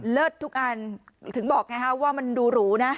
ทุกอันถึงบอกไงฮะว่ามันดูหรูนะ